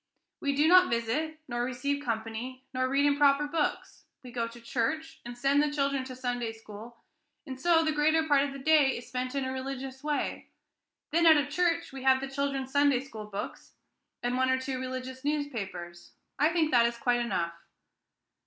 We do not visit, nor receive company, nor read improper books. We go to church, and send the children to Sunday school, and so the greater part of the day is spent in a religious way. Then out of church we have the children's Sunday school books, and one or two religious newspapers. I think that is quite enough."